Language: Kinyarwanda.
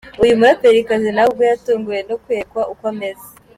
Uyu muraperikazi nawe ubwe yatunguwe no kwerekwa uko ameze.